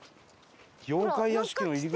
妖怪屋敷の入り口みたい。